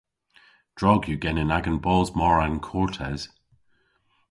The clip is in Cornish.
Drog yw genen agan bos mar ankortes.